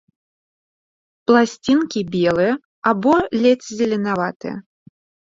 Пласцінкі белыя або ледзь зеленаватыя.